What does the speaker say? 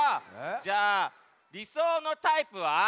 じゃありそうのタイプは？